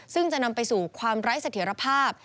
ซึ่งจะนำไปสู่ความไร้เสถียรภาพ